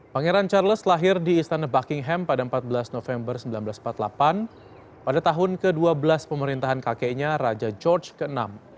pangeran charles lahir di istana buckingham pada empat belas november seribu sembilan ratus empat puluh delapan pada tahun ke dua belas pemerintahan kakeknya raja george vi